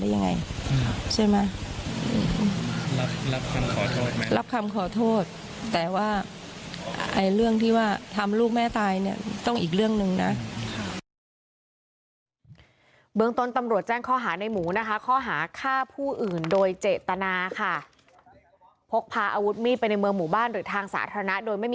ไม่งั้นจะซ้อนท้ายไปแล้วจะเอามีนระปาดกันได้อย่างไร